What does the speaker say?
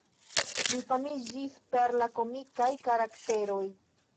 Li famiĝis per la komikaj karakteroj.